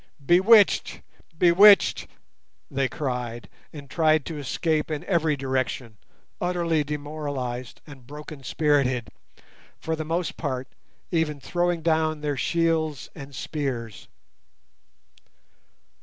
"Bewitched, bewitched!" they cried, and tried to escape in every direction, utterly demoralized and broken spirited, for the most part even throwing down their shields and spears.